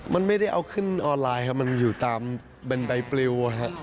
มันไม่ได้เอาขึ้นออนไลน์ครับมันอยู่ตามเป็นใบปลิว